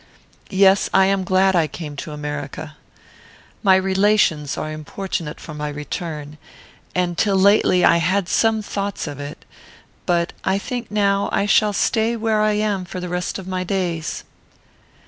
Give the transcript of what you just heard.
Yes, I am glad I came to America. My relations are importunate for my return, and till lately I had some thoughts of it; but I think now I shall stay where I am for the rest of my days.